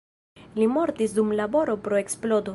Li mortis dum laboro pro eksplodo.